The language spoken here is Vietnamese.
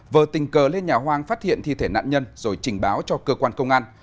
vừa tình cờ lên nhà hoang phát hiện thi thể nạn nhân rồi trình báo cho cơ quan công an